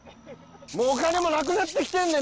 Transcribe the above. もうお金もなくなってきてんねん。